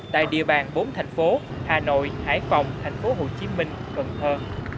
tại địa bàn bốn thành phố hà nội hải phòng tp hcm cần thơ